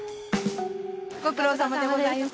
ご苦労さまでございます。